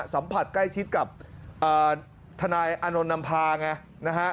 สัมผัสใกล้ชิดกับทนายอานนท์นำพาไงนะฮะ